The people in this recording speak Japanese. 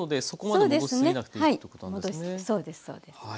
そうですそうです。